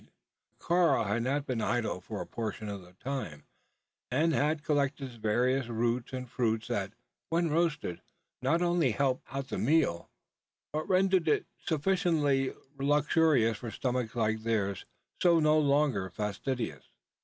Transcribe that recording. But Karl had not been idle for a portion of the time; and had collected various roots and fruits that, when roasted, not only helped out the meal, but rendered it sufficiently luxurious for stomachs like theirs, no longer fastidious.